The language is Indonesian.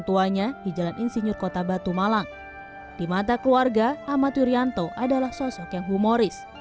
tuanya di jalan insinyur kota batu malang di mata keluarga ahmad yuryanto adalah sosok yang humoris